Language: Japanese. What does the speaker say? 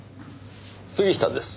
杉下です。